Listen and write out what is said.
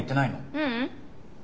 ううん。